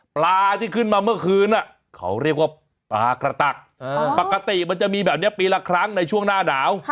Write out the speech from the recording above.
ปลาที่ขึ้นมาเมื่อคืนเขาเรียกว่าปลากระตักปกติมันจะมีแบบนี้ปีละครั้งในช่วงหน้าหนาว